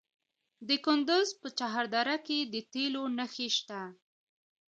د کندز په چهار دره کې د تیلو نښې شته.